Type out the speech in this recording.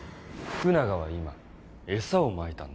福永は今餌をまいたんだよ。